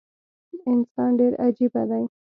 انسان ډیر عجیبه دي